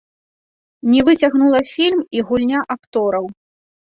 Не выцягнула фільм і гульня актораў.